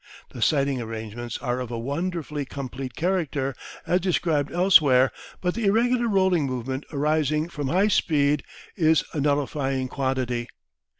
The sighting arrangements are of a wonderfully complete character, as described elsewhere, but the irregular rolling movement arising from high speed is a nullifying quantity.